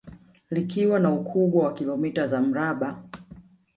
Likiwa na ukubwa wa kilomita za mraba